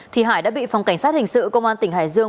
thì hải đã bị phòng cảnh sát hình sự công an tỉnh hải dương